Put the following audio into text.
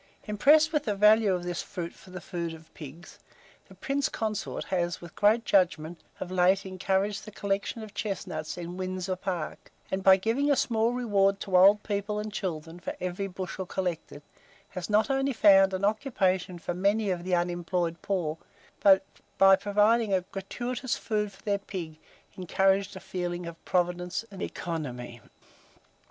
Impressed with the value of this fruit for the food of pigs, the Prince Consort has, with great judgment, of late encouraged the collection of chestnuts in Windsor Park, and by giving a small reward to old people and children for every bushel collected, has not only found an occupation for many of the unemployed poor, but, by providing a gratuitous food for their pig, encouraged a feeling of providence and economy.